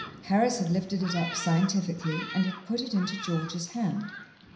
Harris had lifted it up scientifically, and had put it into George's hand.